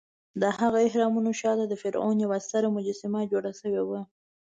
دهغه اهرامونو شاته د فرعون یوه ستره مجسمه جوړه شوې وه.